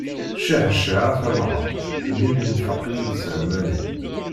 Ccah ccah a tamɣart mmi-m infeq-iyi-d ẓermani.